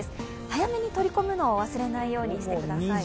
早めに取り込むのを忘れないようにしてください。